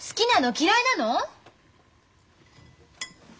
嫌いなの？